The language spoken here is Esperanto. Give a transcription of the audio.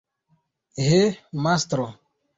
He, mastro!